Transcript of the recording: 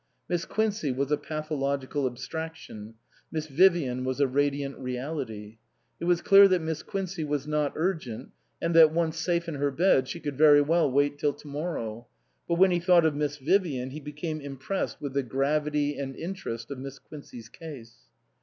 Miss Quincey was a pathological abstraction, Miss Vivian was a radiant reality ; it was clear that Miss Quincey was not urgent, and that once safe in her bed she could very well wait till to morrow ; but when he thought of Miss Vivian he became impressed with the gravity and interest of Miss Quincey's case.